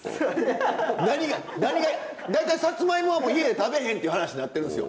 大体さつまいもは家で食べへんっていう話になってるんですよ